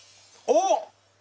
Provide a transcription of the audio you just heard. おっ！